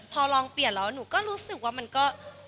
พอลองเปลี่ยนแล้วหนูก็รู้สึกว่ามันก็